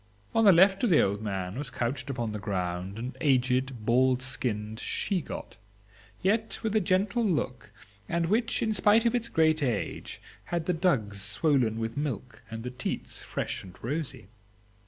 On the left of the old man was couched upon the ground an aged bald skinned she got, yet with a gentle look, and which, in spite of its great age, had the dugs swollen with milk and the teats fresh and rosy.